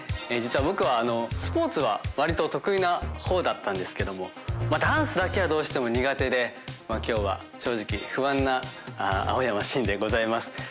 実は僕はスポーツは割と得意な方だったんですけどもダンスだけはどうしても苦手で今日は正直不安な青山新でございます